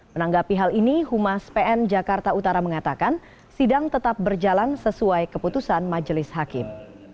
menanggapi hal ini humas pn jakarta utara mengatakan sidang tetap berjalan sesuai keputusan majelis hakim